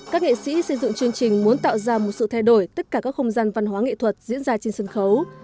các nghệ sĩ xây dựng chương trình muốn tạo ra một sự thay đổi tất cả các không gian văn hóa nghệ thuật diễn ra trên sân khấu